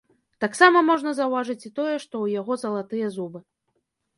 Таксама можна заўважыць і тое, што ў яго залатыя зубы.